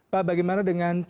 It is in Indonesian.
pak bagaimana dengan pantauan